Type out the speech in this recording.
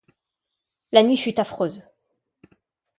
La nuit fut affreuse